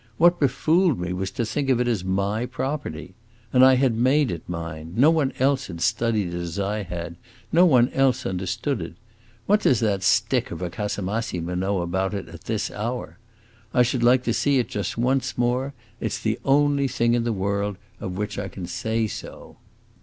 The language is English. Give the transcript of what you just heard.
What befooled me was to think of it as my property! And I had made it mine no one else had studied it as I had, no one else understood it. What does that stick of a Casamassima know about it at this hour? I should like to see it just once more; it 's the only thing in the world of which I can say so."